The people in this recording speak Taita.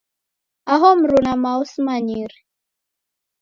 Aho mruma mao simanyire.